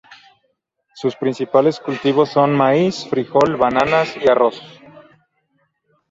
Sus principales cultivos son: maíz, frijol, bananas y arroz.